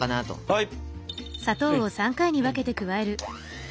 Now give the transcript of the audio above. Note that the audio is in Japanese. はい。